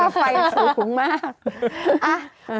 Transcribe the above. ค่าไฟสูงขึ้นมาก